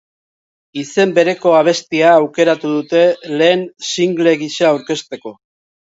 Izen bereko abestia aukeratu dute lehen single gisa aurkezteko.